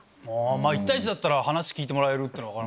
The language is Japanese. １対１だったら話聞いてもらえるのは分かる。